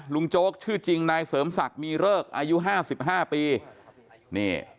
ลุงโจ๊กชื่อจริงนายเสริมศักดิ์มีเริกอายุ๕๕ปี